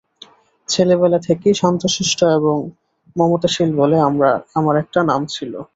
ছেলেবেলা থেকেই শান্তশিষ্ট এবং মমতাশীল বলে আমার একটা নাম ছিল।